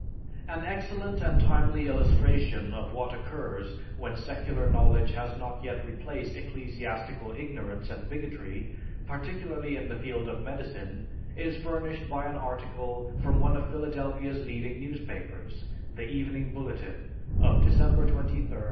An excellent and timely illustration of what occurs when secular knowledge has not yet replaced ecclesiastical ignorance and bigotry, particularly in the field of medicine, is furnished by an article from one of Philadelphia's leading newspapers, The Evening Bulletin, of December 23, 1932.